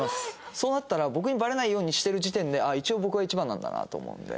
そうなったら僕にバレないようにしてる時点で一応僕が一番なんだなと思うので。